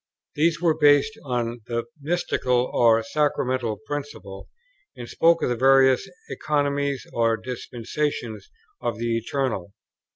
These were based on the mystical or sacramental principle, and spoke of the various Economies or Dispensations of the Eternal.